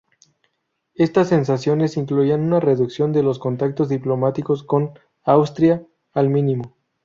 Estas sanciones incluían una reducción de los contactos diplomáticos con Austria al mínimo.